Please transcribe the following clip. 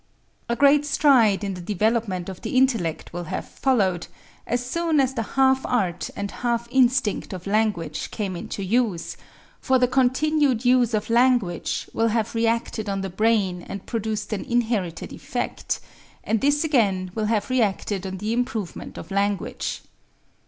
A great stride in the development of the intellect will have followed, as soon as the half art and half instinct of language came into use; for the continued use of language will have reacted on the brain and produced an inherited effect; and this again will have reacted on the improvement of language.